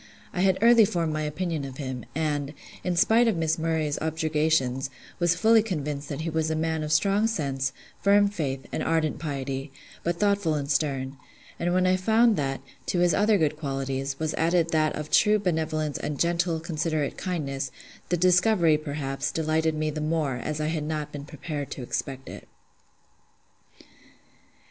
I had early formed my opinion of him; and, in spite of Miss Murray's objurgations: was fully convinced that he was a man of strong sense, firm faith, and ardent piety, but thoughtful and stern: and when I found that, to his other good qualities, was added that of true benevolence and gentle, considerate kindness, the discovery, perhaps, delighted me the more, as I had not been prepared to expect it.